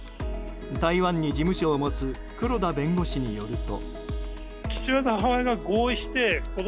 台湾に事務所を持つ黒田弁護士によると。